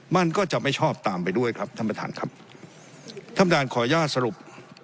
มันก็จะไม่ชอบตามไปด้วยครับท่านประธานครับท่านประธานขออนุญาตสรุป